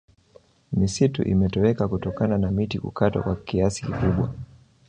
misitu imetoweka kutokana na miti kukatwa kwa kiasi kikubwa